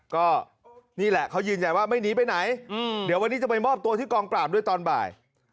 ก็นี่แหละเขายืนยันว่าไม่หนีไปไหนเดี๋ยววันนี้จะไปมอบตัวที่กองปราบด้วยตอนบ่าย